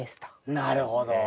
なるほど。